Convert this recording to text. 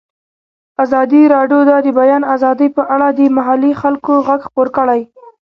ازادي راډیو د د بیان آزادي په اړه د محلي خلکو غږ خپور کړی.